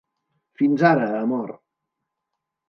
Fins ara, amor.